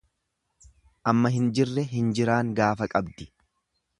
Amma hin jirre hinjiraan gaafa qabdi.